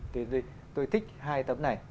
thì tôi thích hai tấm này